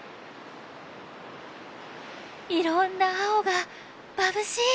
いろんな青がまぶしい！